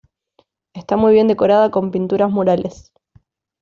Está muy bien decorada con pinturas murales.